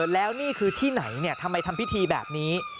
แล้วนี่คือที่ไหนทำไมทำพิธีแบบนี้